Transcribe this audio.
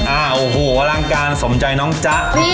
โอ้โหอลังการสมใจน้องจ๊ะ